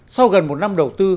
sau gần một năm đầu tư